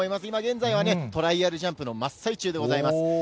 今現在はね、トライアルジャンプの真っ最中でございます。